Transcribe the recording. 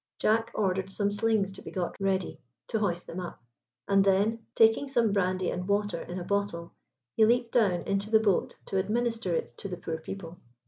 Jack ordered some slings to be got ready to hoist them up, and then, taking some brandy and water in a bottle, he leaped down into the boat to administer it to the poor people.